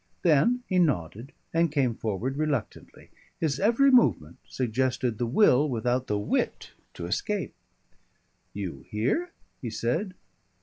Then he nodded and came forward reluctantly. His every movement suggested the will without the wit to escape. "You here?" he said.